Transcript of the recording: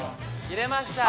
入れました。